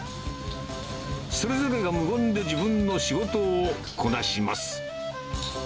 それぞれが無言で自分の仕事をこなします。